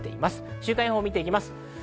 週間予報を見ていきます。